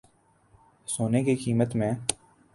سونے کی قیمت میں